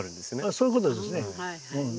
そういうことですね。